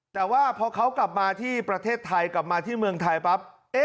แต่ว่าพอเขากลับมาที่ประเทศไทยกลับมาที่เมืองไทยปั๊บ